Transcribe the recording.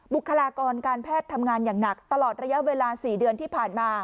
บุคลากรการแพทย์ทำงานอย่างหนักตลอดระยะเวลา๔เดือนที่ผ่านมา